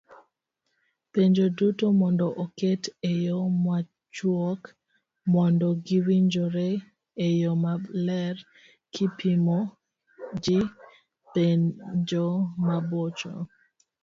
Penjo duto mondo oket eyo machuok mondo giwinjore eyo maler kipimo gi penjo mabocho